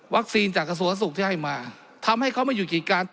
วัคซีนจากสวรรค์สูตรที่ให้มาทำให้เขาไม่หยุดกี่การ